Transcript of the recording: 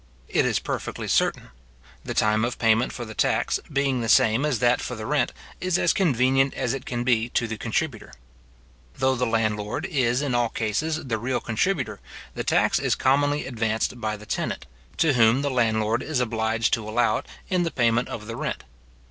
It is perfectly certain. The time of payment for the tax, being the same as that for the rent, is as convenient as it can be to the contributor. Though the landlord is, in all cases, the real contributor, the tax is commonly advanced by the tenant, to whom the landlord is obliged to allow it in the payment of the rent.